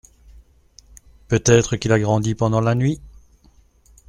Peut-être qu’il a grandi pendant la nuit.